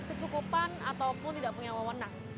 tidak punya kecukupan ataupun tidak punya wawanan